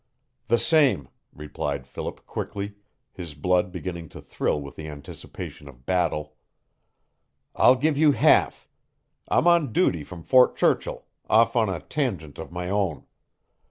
"The same," replied Philip quickly, his blood beginning to thrill with the anticipation of battle. "I'll give you half. I'm on duty from Fort Churchill, off on a tangent of my own."